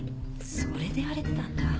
それで荒れてたんだ。